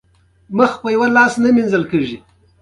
ازادي راډیو د بهرنۍ اړیکې په اړه د خلکو وړاندیزونه ترتیب کړي.